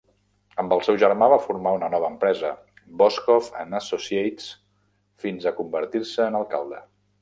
Amb el seu germà va formar una nova empresa 'Boshcoff and Associates" fins a convertir-se en alcalde.